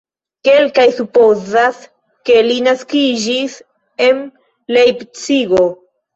Kelkaj supozas, ke li naskiĝis en Lejpcigo.